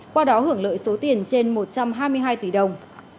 qua đó hưởng lợi số tiền trên một trăm hai mươi hai tỷ đồng